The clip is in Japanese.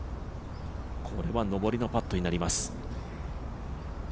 これは上りのパットになります。